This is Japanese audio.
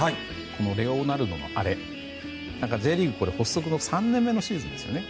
このレオナルドのあれＪリーグ発足後３年目のシーズンですよね。